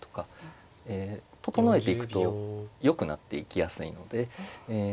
整えていくとよくなっていきやすいのでえ